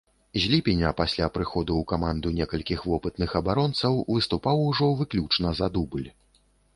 З ліпеня, пасля прыходу ў каманду некалькіх вопытных абаронцаў, выступаў ужо выключна за дубль.